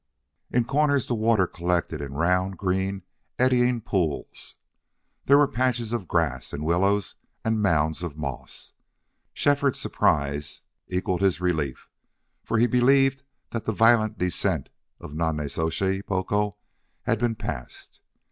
In corners the water collected in round, green, eddying pools. There were patches of grass and willows and mounds of moss. Shefford's surprise equaled his relief, for he believed that the violent descent of Nonnezoshe Boco had been passed.